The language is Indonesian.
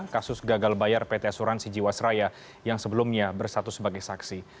kasus gagal bayar pt asuransi jiwasraya yang sebelumnya bersatu sebagai saksi